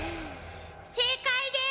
正解です！